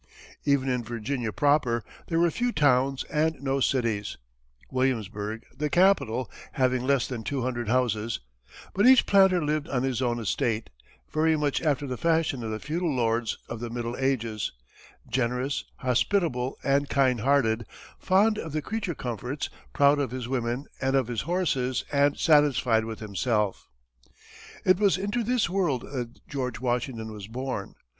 Even in Virginia proper, there were few towns and no cities, Williamsburg, the capital, having less than two hundred houses; but each planter lived on his own estate, very much after the fashion of the feudal lords of the Middle Ages, generous, hospitable, and kind hearted, fond of the creature comforts, proud of his women and of his horses, and satisfied with himself. It was into this world that George Washington was born.